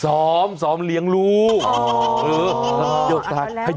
ซ้อมซ้อมเลี้ยงลูกอ๋อโอ้ยยกตัวไว้ได้แล้วไป